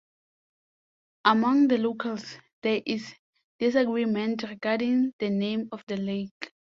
Among the locals, there is disagreement regarding the name of the lake.